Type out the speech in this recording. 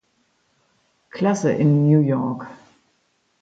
Klasse in New York.